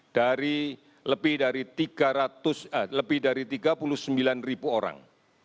dari lebih dari tiga puluh sembilan ribu orang